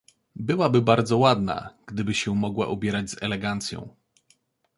"byłaby bardzo ładna, gdyby się mogła ubierać z elegancją."